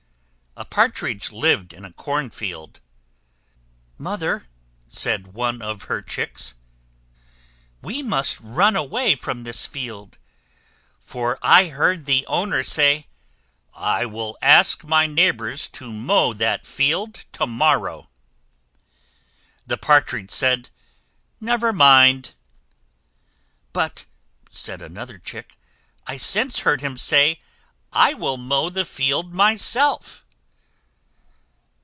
A Partridge lived in a corn field. "Mother," said one of her Chicks, "we must run away from this field; for I heard the owner say 'I will ask my neighbors to mow that field to morrow.'" The Partridge said "Never mind." "But," said another Chick, "I since heard him say 'I will mow the field myself.'"